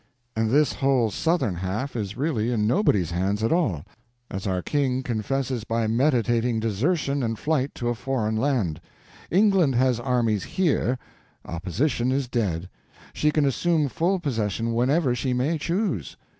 "And this whole southern half is really in nobody's hands at all—as our King confesses by meditating desertion and flight to a foreign land. England has armies here; opposition is dead; she can assume full possession whenever she may choose.